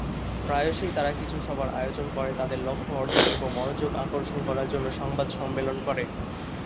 প্রায়শই, তারা কিছু সভার আয়োজন করে, তাদের লক্ষ্য অর্জন এবং মনোযোগ আকর্ষণ করার জন্য সংবাদ সম্মেলন করে।